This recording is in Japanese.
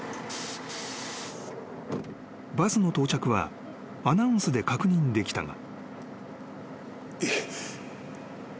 ［バスの到着はアナウンスで確認できたが］